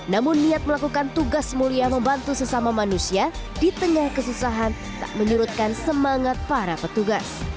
namun niat melakukan tugas mulia membantu sesama manusia di tengah kesusahan tak menyurutkan semangat para petugas